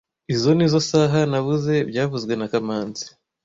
Izoi nizoo saha nabuze byavuzwe na kamanzi